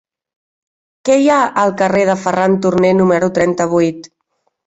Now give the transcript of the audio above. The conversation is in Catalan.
Què hi ha al carrer de Ferran Turné número trenta-vuit?